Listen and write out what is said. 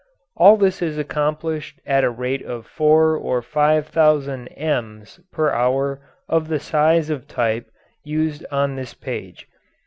All this is accomplished at a rate of four or five thousand "ems" per hour of the size of type used on this page.